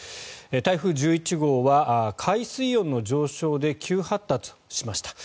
台風１１号は海水温の上昇で急発達しました。